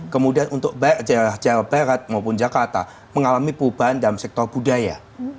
kemudian untuk baik jawa barat maupun jakarta mengalami perubahan dalam sektor budaya